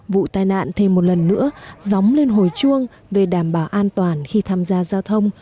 vụ tai nạn thêm một lần nữa dóng lên hồi chuông về đảm bảo an toàn khi tham gia giao thông